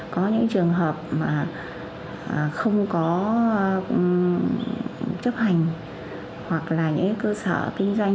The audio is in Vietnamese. có những trường hợp mà không có chấp hành hoặc là những cơ sở kinh doanh